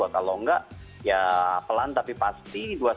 kalau enggak ya pelan tapi pasti